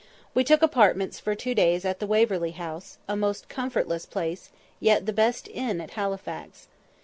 We took apartments for two days at the Waverley House, a most comfortless place, yet the best inn at Halifax.